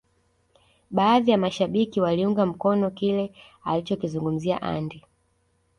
baadhi ya mashabiki waliunga mkono kile alichokizungumza Andy